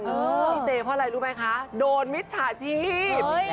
พี่เจเพราะอะไรรู้ไหมคะโดนมิจฉาชีพ